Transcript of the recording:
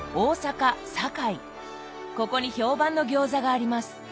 ここに評判の餃子があります。